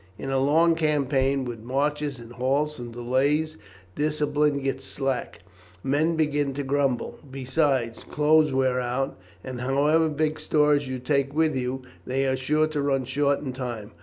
In a long campaign, with marches, and halts, and delays, discipline gets slack, men begin to grumble; besides, clothes wear out, and however big stores you take with you, they are sure to run short in time.